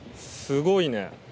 すごいね。